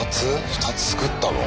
２つ作ったの？